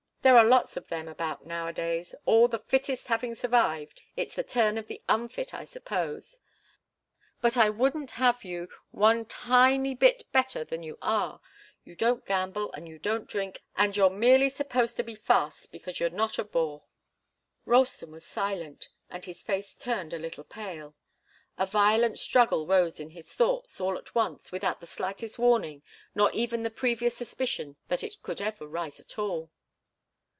There are lots of them about nowadays all the fittest having survived, it's the turn of the unfit, I suppose. But I wouldn't have you one little tiny bit better than you are. You don't gamble, and you don't drink, and you're merely supposed to be fast because you're not a bore." Ralston was silent, and his face turned a little pale. A violent struggle arose in his thoughts, all at once, without the slightest warning nor even the previous suspicion that it could ever arise at all.